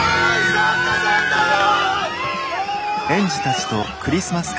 サンタさんだよ！